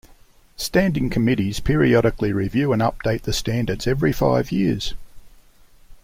Standing committees periodically review and update the standards every five years.